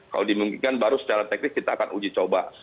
kalau dimungkinkan baru secara teknis kita akan uji coba